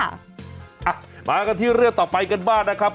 อ่ะมากันที่เรื่องต่อไปกันบ้างนะครับ